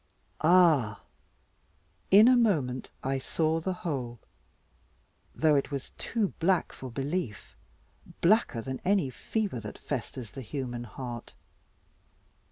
Oh! In a moment I saw the whole; though it was too black for belief, blacker than any fever that festers the human heart.